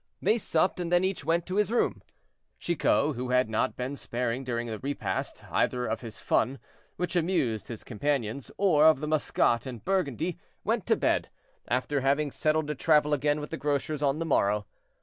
They supped, and then each went to his room. Chicot, who had not been sparing during the repast, either of his fun, which amused his companions, or of the Muscat and Burgundy, went to bed, after having settled to travel again with the grocers on the morrow.